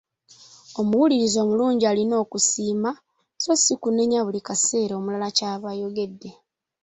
Omuwuliriza omulungi olina okusiima so si kunenya buli kaseera omulala ky’aba ayogedde.